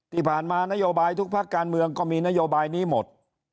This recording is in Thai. ที่ผ่านมานโยบายทุกภาคการเมืองก็มีนโยบายนี้หมด